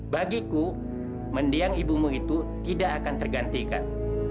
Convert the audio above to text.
bagiku mendiang ibumu itu tidak akan tergantikan